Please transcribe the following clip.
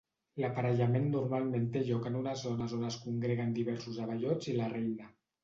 L'aparellament normalment té lloc en unes zones on es congreguen diversos abellots i la reina.